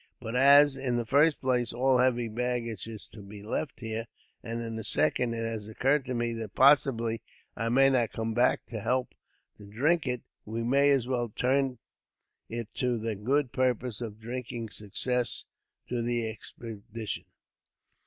But as, in the first place, all heavy baggage is to be left here; and in the second, it has occurred to me that possibly I may not come back to help to drink it; we may as well turn it to the good purpose of drinking success to the expedition."